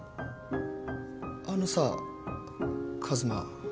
あのさ和馬。